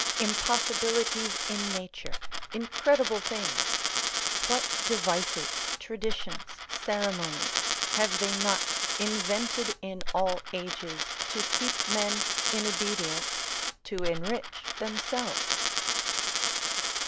Impossibilities in nature, incredible things; what devices, traditions, ceremonies, have they not invented in all ages to keep men in obedience, to enrich themselves?